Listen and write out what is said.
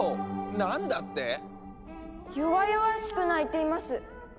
何だって⁉弱々しく鳴いています。